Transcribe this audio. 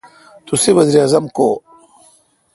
تسے° وزیر اعظم کو° ؟